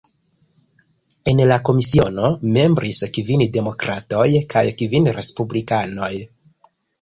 En la komisiono membris kvin Demokratoj kaj kvin Respublikanoj.